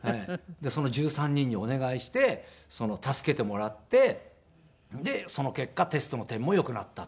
その１３人にお願いして助けてもらってでその結果テストの点もよくなったっていう。